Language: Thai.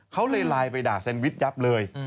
เขาเลยไลน์ไปด่าแซนวิชยับเลย